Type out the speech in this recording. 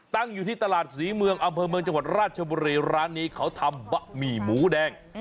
ตั้งอยู่ที่ตลาดศรีเมืองอำเภอเมืองจังหวัดราชบุรีร้านนี้เขาทำบะหมี่หมูแดง